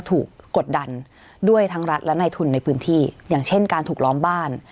กดดันด้วยทั้งรัฐและในทุนในพื้นที่อย่างเช่นการถูกล้อมบ้าน